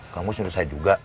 kamus nyuruh saya juga